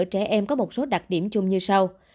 trẻ em có một số đặc điểm chung như sau